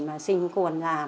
mà sinh cuồn làm